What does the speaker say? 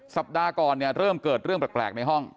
สัปดาห์ก่อนเนี่ยเริ่มเกิดเรื่องแปลกในห้อง